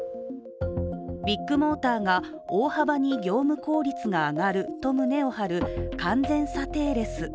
ビッグモーターが大幅に業務効率が上がると胸を張る完全査定レス。